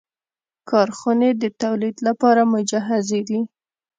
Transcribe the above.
کارخونې د تولید لپاره مجهزې دي.